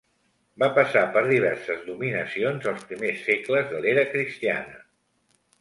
Va passar per diverses dominacions als primers segles de l'era cristiana.